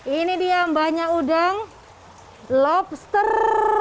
ini dia mbahnya udang lobster